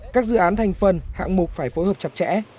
các dự án thành phần hạng mục phải phối hợp chặt chẽ